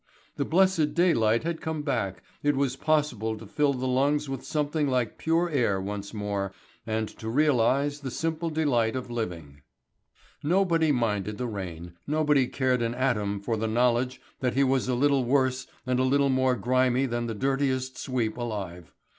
The blessed daylight had come back, it was possible to fill the lungs with something like pure air once more, and to realise the simple delight of living. Nobody minded the rain, nobody cared an atom for the knowledge that he was a little worse and a little more grimy than the dirtiest sweep alive.